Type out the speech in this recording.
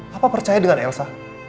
papa percaya dengan elsa